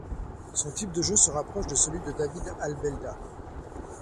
Son type de jeu se rapproche de celui de David Albelda.